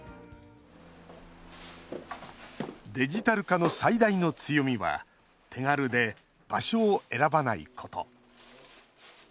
デジタル化の最大の強みは手軽で場所を選ばないこと。